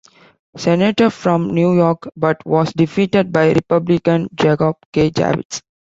Senator from New York, but was defeated by Republican Jacob K. Javits.